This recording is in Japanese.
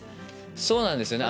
そうなんですよね。